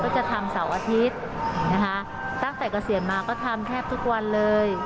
จะทำเสาร์อาทิตย์นะคะตั้งแต่เกษียณมาก็ทำแทบทุกวันเลย